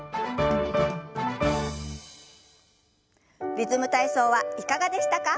「リズム体操」はいかがでしたか？